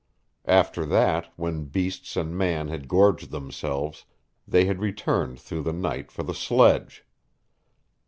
After that, when beasts and man had gorged themselves, they had returned through the night for the sledge.